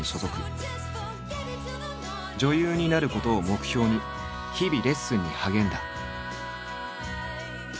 女優になることを目標に日々レッスンに励んだ。